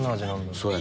そうやね。